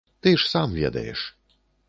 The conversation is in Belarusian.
Ты ж сам ведаеш.